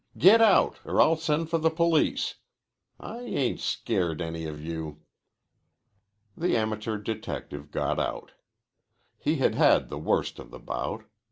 Get out, or I'll send for the police. I ain't scared any of you." The amateur detective got out. He had had the worst of the bout.